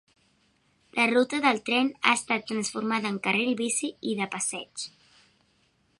La ruta del tren ha estat transformada en carril bici i de passeig.